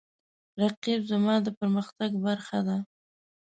رقیب زما د پرمختګ برخه ده